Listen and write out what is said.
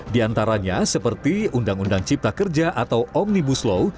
di antaranya seperti undang undang cipta kerja atau omnibus law